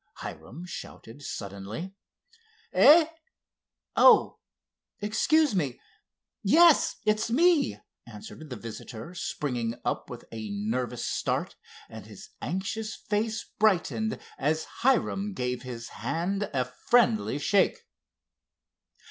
Hiram shouted suddenly. "Eh—oh, excuse me, yes, it's me," answered the visitor, springing up with a nervous start, and his anxious face brightened as Hiram gave his hand a friendly shake.